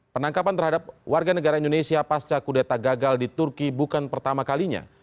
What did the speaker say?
penangkapan terhadap warga negara indonesia pasca kudeta gagal di turki bukan pertama kalinya